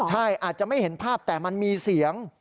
ใช่อาจจะไม่เห็นภาพแต่มันมีเสียง